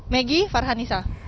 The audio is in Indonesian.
maggie farhan nisa